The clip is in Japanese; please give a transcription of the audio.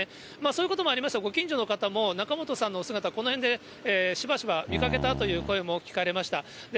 そういうこともありまして、ご近所の方も、仲本さんのお姿、この辺でしばしば見かけたという声も聞かれました。